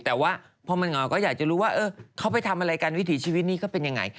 แต่ว่าพอมันเหงาก็อยากจะรู้ว่าเขาไปทำอะไรกันวิถีชีวิตนี้เขาเป็นยังไง